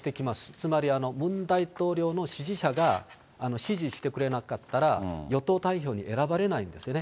つまりムン大統領の支持者が支持してくれなかったら、与党代表に選ばれないんですよね。